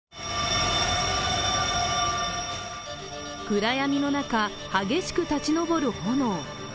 暗闇の中、激しく立ち上る炎。